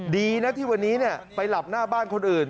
ดีนะที่วันนี้ไปหลับหน้าบ้านคนอื่น